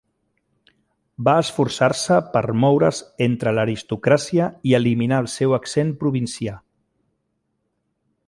Va esforçar-se per moure's entre l'aristocràcia i eliminar el seu accent provincià.